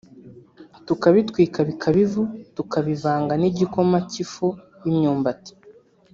tukabitwika bikaba ivu tukabivanga n’igikoma cy’ifu y’imyumbati